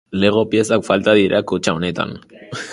Lego piezak falta dira kutxa honetan.